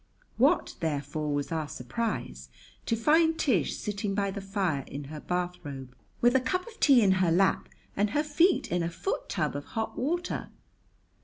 What, therefore, was our surprise to find Tish sitting by the fire in her bathrobe, with a cup of tea in her lap and her feet in a foot tub of hot water!